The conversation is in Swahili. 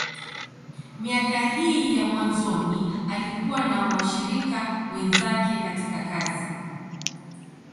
Miaka hii ya mwanzoni, alikuwa na washirika wenzake katika kazi.